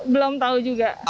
belum tahu juga